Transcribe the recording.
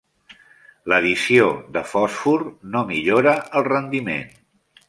L'addició de fòsfor no millora el rendiment.